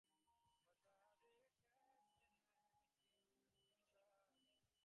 এই বাক্যটি লইয়া ভাষ্যকারদিগের মধ্যে গুরুতর মতবিরোধ দেখিতে পাওয়া যায়।